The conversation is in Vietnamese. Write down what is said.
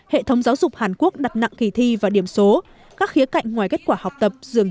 hệ thống giáo dục hàn quốc đặt nặng kỳ thi và điểm số các khía cạnh ngoài kết quả học tập dường